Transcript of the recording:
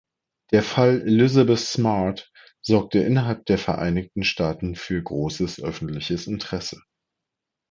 Der Fall Elizabeth Smart sorgte innerhalb der Vereinigten Staaten für großes öffentliches Interesse.